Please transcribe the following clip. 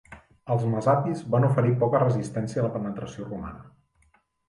Els messapis van oferir poca resistència a la penetració romana.